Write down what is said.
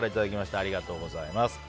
ありがとうございます。